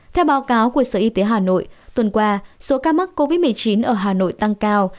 theo báo cáo của sở y tế hà nội tuần qua số ca mắc covid một mươi chín ở hà nội tăng cao